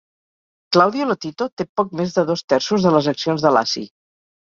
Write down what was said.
Claudio Lotito té poc més de dos terços de les accions de Laci.